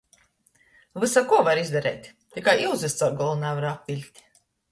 Vysakuo var izdareit, tikai iuzys caur golvu navar apviļkt.